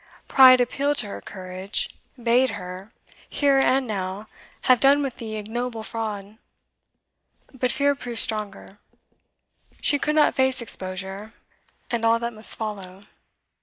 Pride appealed to her courage, bade her, here and now, have done with the ignoble fraud; but fear proved stronger. She could not face exposure, and all that must follow.